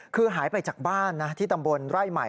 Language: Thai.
คือหายไปจากบ้านนะที่ตำบลไร่ใหม่